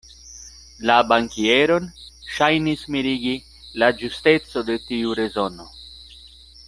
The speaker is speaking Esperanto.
La bankieron ŝajnis mirigi la ĝusteco de tiu rezono.